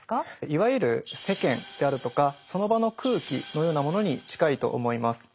いわゆる世間であるとかその場の空気のようなものに近いと思います。